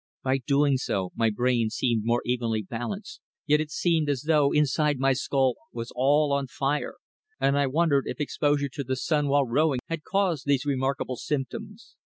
By doing so my brain seemed more evenly balanced, yet it seemed as though inside my skull was all on fire, and I wondered if exposure to the sun while rowing had caused these remarkable symptoms.